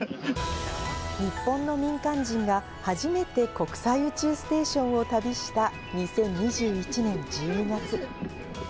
日本の民間人が初めて国際宇宙ステーションを旅した２０２１年１２月。